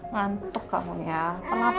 ngantuk kamu ya kenapa